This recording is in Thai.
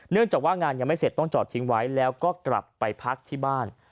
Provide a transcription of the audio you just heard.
จากว่างานยังไม่เสร็จต้องจอดทิ้งไว้แล้วก็กลับไปพักที่บ้าน